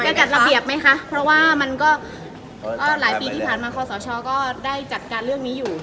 จัดระเบียบไหมคะเพราะว่ามันก็หลายปีที่ผ่านมาคอสชก็ได้จัดการเรื่องนี้อยู่